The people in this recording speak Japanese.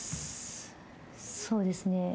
そうですね。